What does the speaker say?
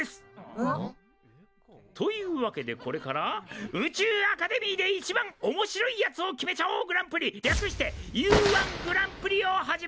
ん？というわけでこれから「宇宙アカデミーで一番おもしろいやつを決めちゃおうグランプリ」略してＵ−１グランプリを始めます！